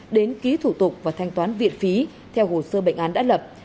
đến ký thủ tục và thanh toán viện phí theo hồ sơ bệnh án đã lập